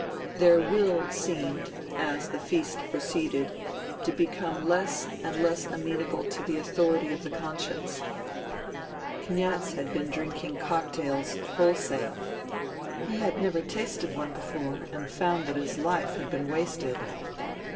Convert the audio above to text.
Their will seemed, as the feast proceeded, to become less and less amenable to the authority of the conscience. Kniaz had been drinking cocktails 184 FUTILITY wholesale. He had never tasted one before, and found that his life had been wasted.